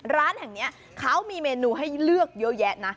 ร้านแห่งนี้เขามีเมนูให้เลือกเยอะแยะนะ